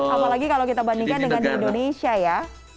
apalagi kalau kita bandingkan dengan di indonesia ya